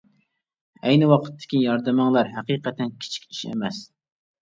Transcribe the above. ئەينى ۋاقىتتىكى ياردىمىڭلار ھەقىقەتەن كىچىك ئىش ئەمەس.